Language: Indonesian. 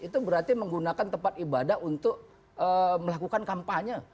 itu berarti menggunakan tempat ibadah untuk melakukan kampanye